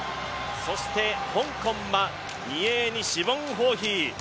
そして、香港は２泳に、シボン・ホーヒー。